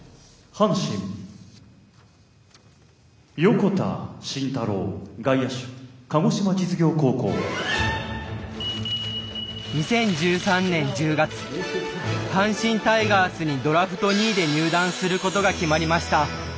阪神タイガースにドラフト２位で入団することが決まりました。